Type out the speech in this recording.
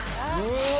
うわ！